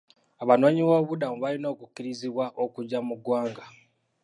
Abanoonyiboobubudamu balina okukkirizibwa okujja mu ggwanga.